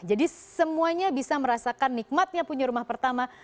jadi semuanya bisa merasakan nikmatnya punya rumah pertama